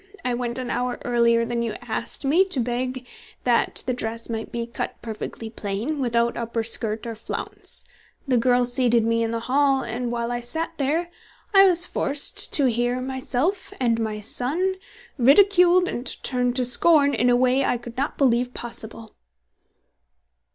I went an hour earlier than you asked me, to beg that the dress might be cut perfectly plain, without upper skirt or flounce. The girl seated me in the hall, and while I sat there, I was forced to hear myself and my son ridiculed and turned to scorn in a way I could not believe possible.